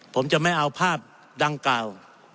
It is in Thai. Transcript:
ผมจะไม่เอาภาพดังกล่าว